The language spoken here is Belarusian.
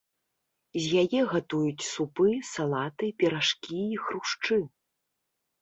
З яе гатуюць супы, салаты, піражкі і хрушчы.